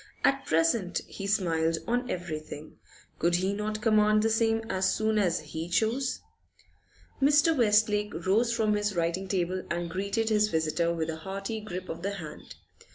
At present he smiled on everything. Could he not command the same as soon as he chose? Mr. Westlake rose from his writing table and greeted his visitor with a hearty grip of the hand.